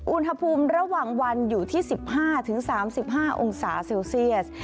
อุณหภูมิระหว่างวันอยู่ที่สิบห้าถึงสามสิบห้าองศาเซลเซียส